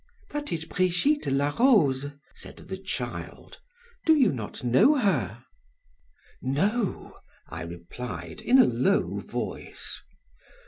"That is Brigitte la Rose," said the child; "do you not know her?" "No," I replied in a low voice.